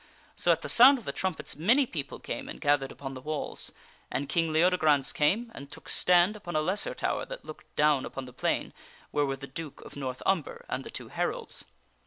So at the sound of the trumpets many peo ple came and gathered upon the walls ; and King Leodegrance came, and took stand upon a lesser tower that looked down upon the plain where were the Duke of North Umber and the two heralds.